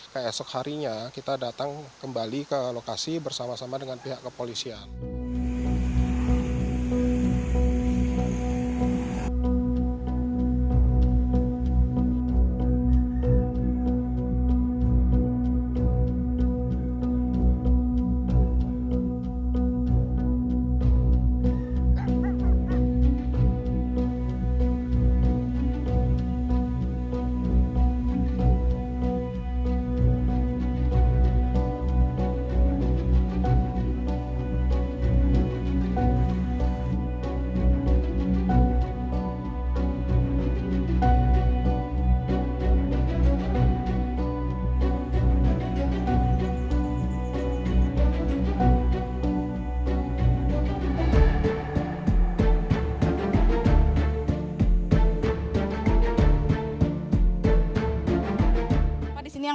keesok harinya kita datang kembali ke lokasi bersama sama dengan pihak kepolisian